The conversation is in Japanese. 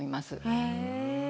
へえ。